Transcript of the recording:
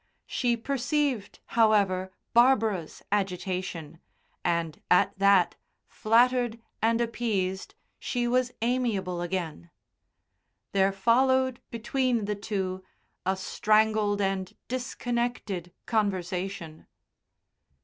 She perceived, however, Barbara's agitation, and at that, flattered and appeased, she was amiable again. There followed between the two a strangled and disconnected conversation.